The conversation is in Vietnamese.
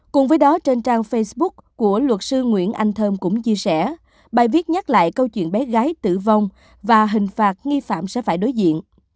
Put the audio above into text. cùng với đó trên trang facebook của luật sư nguyễn anh thơm cũng chia sẻ bài viết nhắc lại câu chuyện bé gái tử vong và hình phạt nghi phạm sẽ phải đối diện